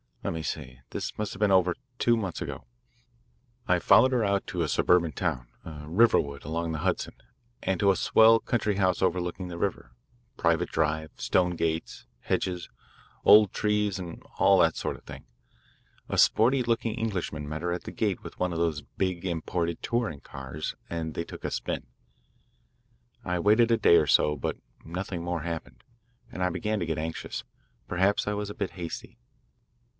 Let me see, this must have been over two months ago. I followed her out to a suburban town, Riverwood along the Hudson, and to a swell country house overlooking the river, private drive, stone gate, hedges, old trees, and all that sort of thing. A sporty looking Englishman met her at the gate with one of those big imported touring cars, and they took a spin. "I waited a day or so, but nothing more happened, and I began to get anxious. Perhaps I was a bit hasty.